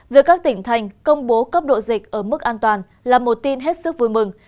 việc các tỉnh thành công bố cấp độ dịch ở mức an toàn là một tin hết sức vui mừng